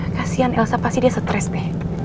kasian elsa pasti dia stres deh